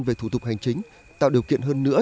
về thủ tục hành chính tạo điều kiện hơn nữa